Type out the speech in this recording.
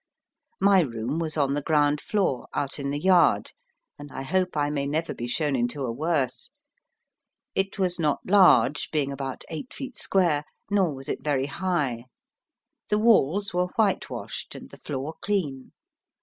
My room was on the ground floor, out in the yard: and I hope I may never be shown into a worse. It was not large, being about eight feet square, nor was it very high. The walls were whitewashed, and the floor clean.